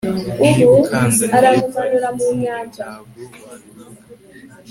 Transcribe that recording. niba ukandagiye fagitire, ntabwo wabivuga